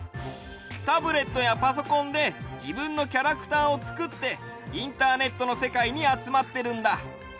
タブレットやパソコンでじぶんのキャラクターをつくってインターネットのせかいにあつまってるんだ。